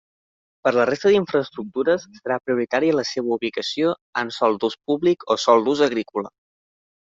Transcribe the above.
Per a la resta d'infraestructures, serà prioritària la seua ubicació en sòl d'ús públic o sòl d'ús agrícola.